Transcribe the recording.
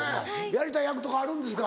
やりたい役とかあるんですか？